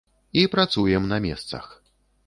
І працуем на месцах.